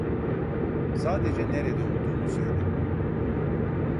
Sadece nerede olduğunu söyle.